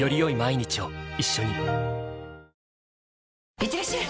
いってらっしゃい！